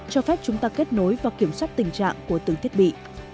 cho phép chúng ta kết nối và kiểm soát tình trạng của từng thiết bị